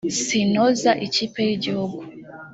sintoza ikipe y’igihugu